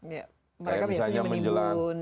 ya mereka biasanya menimbun